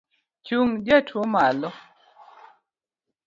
Chung jatuo malo